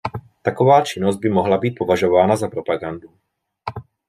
Taková činnost by mohla být považována za propagandu.